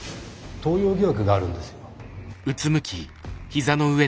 盗用疑惑があるんですよ。